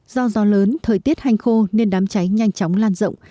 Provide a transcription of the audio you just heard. do gió lớn thời tiết hành khô nên đám cháy nhanh chóng lan rộng